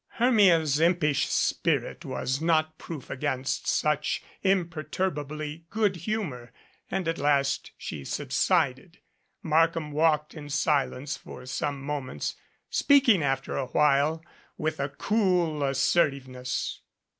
Hermia's impish spirit was not proof against 156 DANGER such imperturbable good humor, and at last she subsided. Markham walked in silence for some moments, speaking after a while with a cool assertiveness.